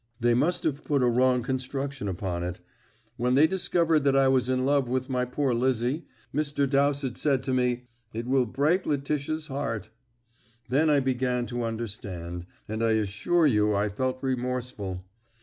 They must have put a wrong construction upon it. When they discovered that I was in love with my poor Lizzie, Mr. Dowsett said to me, 'It will break Letitia's heart.' Then I began to understand, and I assure you I felt remorseful.